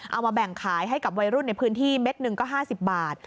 เอามาแบ่งขายให้กับวัยรุ่นในพื้นที่เม็ดหนึ่งก็๕๐บาท